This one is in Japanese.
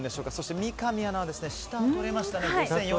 三上アナは下をとれました。